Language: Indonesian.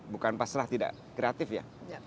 bukan pasrah tidak kreatif ya